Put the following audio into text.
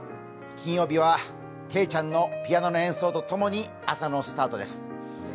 金曜日はけいちゃんのピアノの演奏とともに朝のスタートです。